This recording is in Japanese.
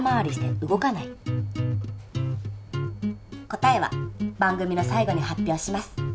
答えは番組の最後に発表します。